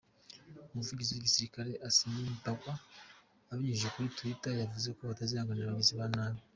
Umuvugizi w’igisirikare, Asim Bajwa abinyujije kuri twitter yavuze ko batazihanganira abagizi ba nabi.